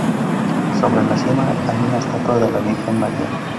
Sobre la cima hay una estatua de la Virgen María.